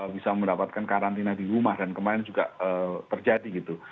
bisa mendapatkan karantina di rumah dan kemarin juga terjadi gitu